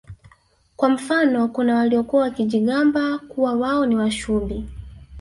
Kwa mfano kuna waliokuwa wakijigamba kuwa wao ni Washubi